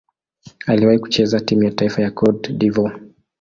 Aliwahi kucheza timu ya taifa ya Cote d'Ivoire.